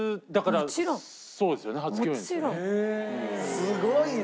すごいな。